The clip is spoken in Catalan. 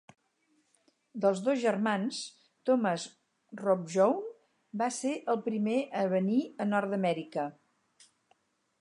Dels dos germans, Thomas Robjohn va ser el primer a venir a Nord Amèrica.